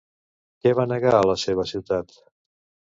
Què va negar a la seva ciutat?